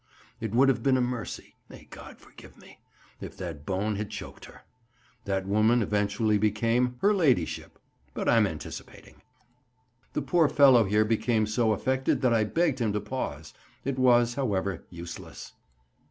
It would have been a mercy—may God forgive me!—if that bone had choked her. That woman eventually became 'her ladyship.' But I'm anticipating." The poor fellow here became so affected that I begged him to pause; it was, however, useless.